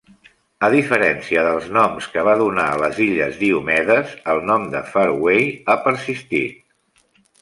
A diferència dels noms que va donar a les illes Diomedes, el nom de Fairway ha persistit.